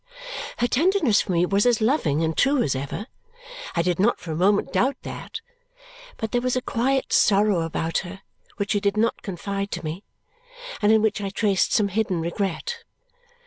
Her tenderness for me was as loving and true as ever; I did not for a moment doubt that; but there was a quiet sorrow about her which she did not confide to me, and in which I traced some hidden regret.